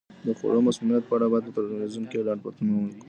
د خوړو مسمومیت په اړه باید په تلویزیون کې لنډ فلمونه وي.